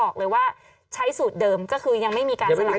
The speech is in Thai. บอกเลยว่าใช้สูตรเดิมก็คือยังไม่มีการสลัก